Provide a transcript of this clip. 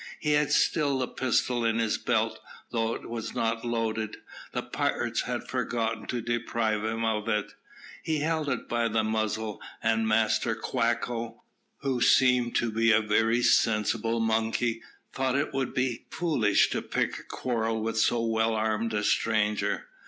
He had still a pistol in his belt, though it was not loaded. The pirates had forgotten to deprive him of it. He held it by the muzzle, and Master Quacko, who seemed to be a very sensible monkey, thought that it would be foolish to pick a quarrel with so well armed a stranger.